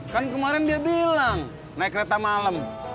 kan kemarin dia bilang naik kereta malam